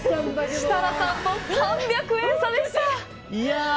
設楽さんも３００円差でした。